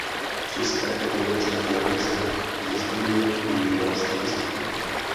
Při své ekonomické analýze významně využíval statistiku.